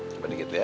coba dikit ya